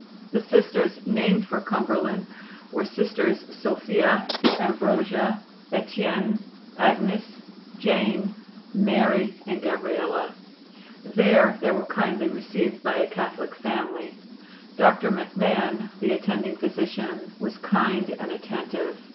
The Sisters named for Cumberland were Sisters Sophia, Ambrosia, Ettiene, Agnes, Jane, Mary, Gabriella. There they were kindly received by a Catholic family. Dr. McMahon, the attending physician, was kind and attentive.